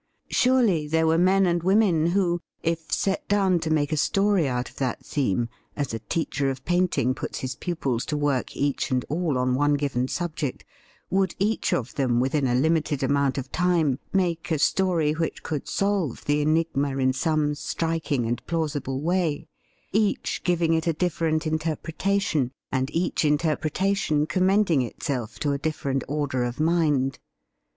Surely there were men and women who, if set down to make a story out of that theme, as a teacher of painting puts his pupils to work each and all on one given subject, would each of them within a limited amount of time make a story which could solve the enigma in some striking and plausible way — each giving it a different interpretation, and each interpretation commending itself to a different order of mind.